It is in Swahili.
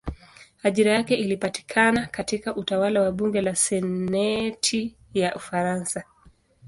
Ajira yake ilipatikana katika utawala wa bunge la senati ya Ufaransa.